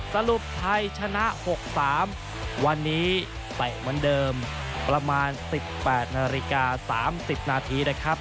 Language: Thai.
สรุปไทยชนะ๖๓วันนี้เตะเหมือนเดิมประมาณ๑๘นาฬิกา๓๐นาทีนะครับ